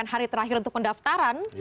hari terakhir untuk pendaftaran